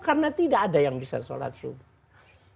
karena tidak ada yang bisa sholat subuh